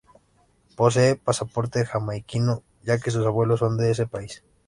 Posee pasaporte Jamaiquino ya que sus abuelos son de ese país.